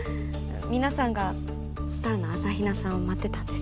皆さんがスターの朝比奈さんを待ってたんです。